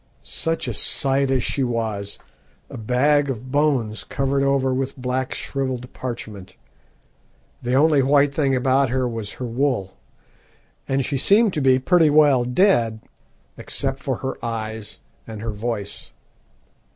Such a sight as she was a bag of bones, covered over with black, shrivelled parchment. The only white thing about her was her wool, and she seemed to be pretty well dead except for her eyes and her voice.